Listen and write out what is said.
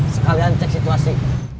sekalian cek situasinya